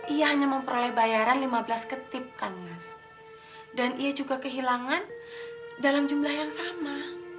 ia hanya memperoleh bayaran lima belas ketip kan mas dan ia juga kehilangan dalam jumlah yang sama